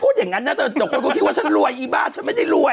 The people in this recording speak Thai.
แต่คนเกาะคิดว่าฉันรวยอีบาดฉันไม่ได้รวย